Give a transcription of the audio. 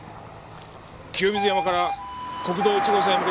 清水山から国道１号線へ向けて緊急配備。